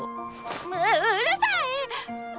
うっうるさいっ！